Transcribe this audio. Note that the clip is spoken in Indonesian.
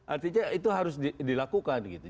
artinya itu harus dilakukan gitu